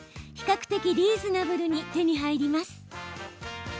比較的リーズナブルに手に入ります。